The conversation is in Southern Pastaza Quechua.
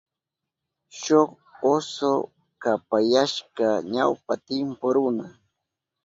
Shuk oso kapayashka ñawpa timpu runa.